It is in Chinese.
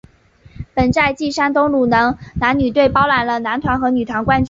本赛季山东鲁能男女队包揽了男团和女团冠军。